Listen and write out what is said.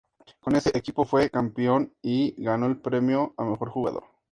Con ese equipo, fue campeón y ganó el premio a mejor jugador.